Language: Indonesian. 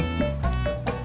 cuman diomelin doang